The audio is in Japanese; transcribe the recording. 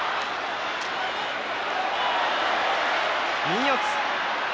右四つ。